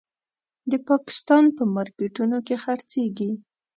د پاکستان په مارکېټونو کې خرڅېږي.